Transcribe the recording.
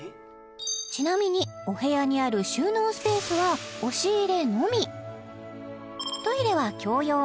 ちなみにお部屋にある収納スペースは押し入れのみトイレは共用